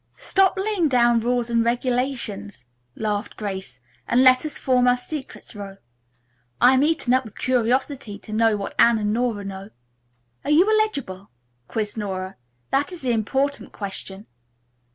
"Stop laying down rules and regulations," laughed Grace, "and let us form our secret row. I am eaten up with curiosity to know what Anne and Nora know." "Are you eligible?" quizzed Nora. "That is the important question.